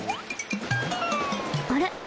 あれ？